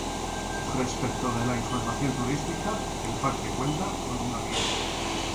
Respecto de la información turística, el Parque cuenta con una guía.